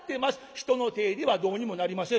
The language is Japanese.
人の手ではどうにもなりません』」。